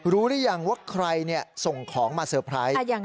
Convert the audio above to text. รู้หรือยังว่าใครส่งของมาเซอร์ไพรส์